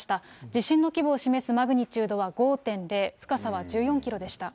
地震の規模を示すマグニチュードは５．０、深さは１４キロでした。